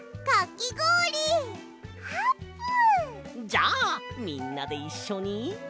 じゃあみんなでいっしょに。